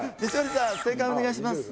正解お願いします